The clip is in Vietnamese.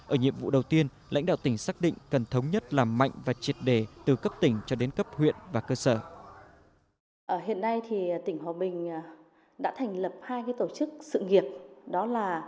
ở nhiệm vụ đầu tiên lãnh đạo tỉnh xác định cần thống nhất làm mạnh và triệt đề từ cấp tỉnh cho đến cấp huyện và cơ sở